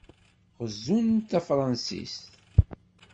Gezzunt tafṛensit?